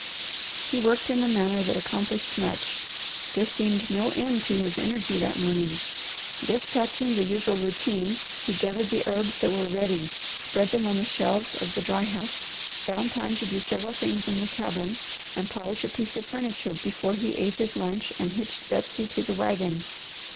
He worked in a manner that accomplished much. There seemed no end to his energy that morning. Despatching the usual routine, he gathered the herbs that were ready, spread them on the shelves of the dry house, found time to do several things in the cabin, and polish a piece of furniture before he ate his lunch and hitched Betsy to the wagon.